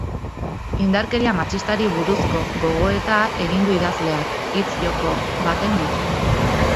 Indarkeria matxistari buruzko gogoeta egin du idazleak, hitz joko baten bidez.